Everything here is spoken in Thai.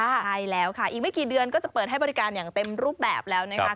ใช่แล้วค่ะอีกไม่กี่เดือนก็จะเปิดให้บริการอย่างเต็มรูปแบบแล้วนะคะ